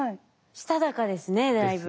したたかですねだいぶ。